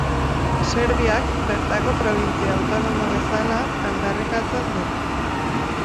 Serbiak, bertako probintzia autonomo bezala aldarrikatzen du.